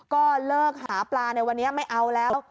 ก็เลิกหาปลาในวันนี้ไม่เอาแล้ว